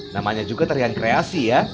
namanya juga tarian kreasi ya